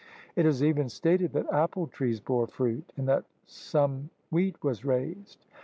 It is even stated that apple trees borefruit and that some wheat was raised.